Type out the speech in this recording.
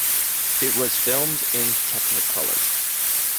It was filmed in Technicolor.